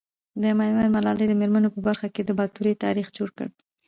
د ميوند ملالي د مېرمنو په برخه کي د باتورئ تاريخ جوړ کړ .